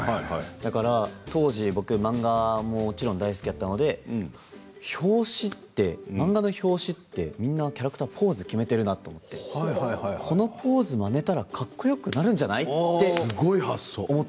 だから当時漫画ももちろん大好きだったので漫画の表紙ってキャラクターがポーズを決めているなとこのポーズをまねたらかっこよくなるんじゃないってすごい発想。